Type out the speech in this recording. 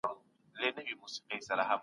دا د هغوی خوښیږي.